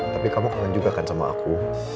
tapi kamu kangen juga kan sama aku